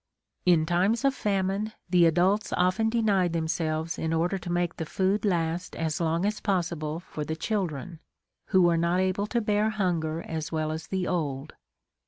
In times of famine, the adults often denied themselves in order to make the food last as long as possible for the children, who were not able to bear hunger as well as the old.